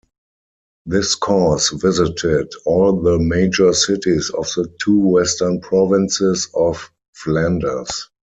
This course visited all the major cities of the two western provinces of Flanders.